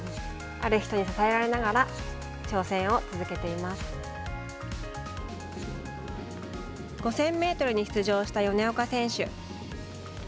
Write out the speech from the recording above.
ある人に支えられながら５０００メートルに出場した米岡選手。